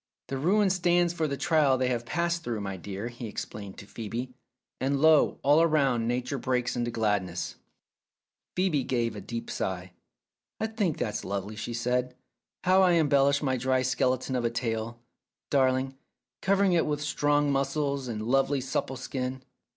"The ruin stands for the trial they have passed through, my dear," he explained to Phcebe, "and lo, all round Nature breaks into gladness !" Phcebe gave a deep sigh. "I think that's lovely," she said. "How you embellish my dry skeleton of a tale, darling, cover ing it with strong muscles and lovely supple skin.